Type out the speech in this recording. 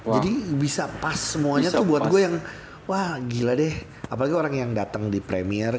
jadi bisa pas semuanya tuh buat gue yang wah gila deh apalagi orang yang dateng di premier